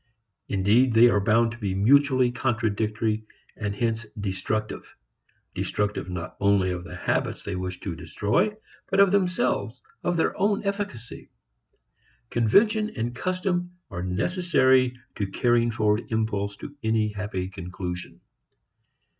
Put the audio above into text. Indeed, they are bound to be mutually contradictory and hence destructive destructive not only of the habits they wish to destroy but of themselves, of their own efficacy. Convention and custom are necessary to carrying forward impulse to any happy conclusion.